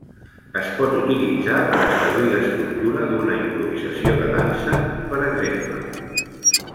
Es pot utilitzar per establir l'estructura d'una improvisació de dansa, per exemple.